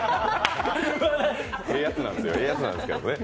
ええやつなんですけどね。